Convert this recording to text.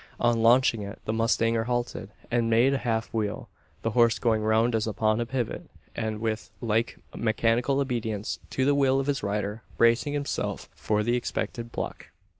On launching it, the mustanger halted, and made a half wheel the horse going round as upon a pivot; and with like mechanical obedience to the will of his rider, bracing himself for the expected pluck.